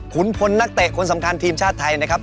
พลนักเตะคนสำคัญทีมชาติไทยนะครับ